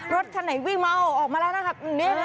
รถคันไหนวิ่งมาเอาออกมาแล้วนะครับ